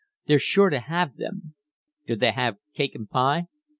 They're sure to have them." "Do they have cake and pie?"